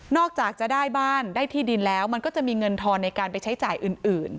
จากจะได้บ้านได้ที่ดินแล้วมันก็จะมีเงินทอนในการไปใช้จ่ายอื่น